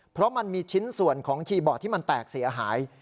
เพราะมันมีชิ้นส่วนของคีย์บอร์ดที่มันแตกเสียหาย